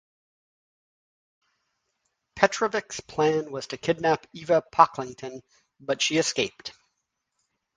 Petrovic's plan was to kidnap Eva Pocklington, but she escaped.